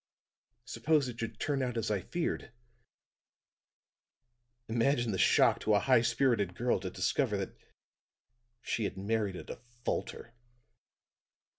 Suppose it should turn out as I feared; imagine the shock to a high spirited girl to discover that she had married a defaulter.